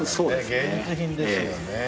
芸術品ですよね。